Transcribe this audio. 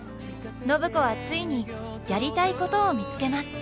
暢子はついにやりたいことを見つけます。